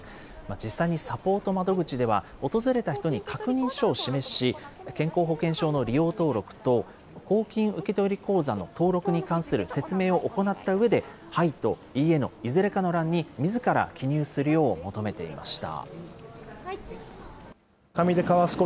実際にサポート窓口では、訪れた人に確認書を示し、健康保険証の利用登録と、公金受取口座の登録に関する説明を行ったうえで、はいと、いいえのいずれかの欄にみずから記入するよう求めていました。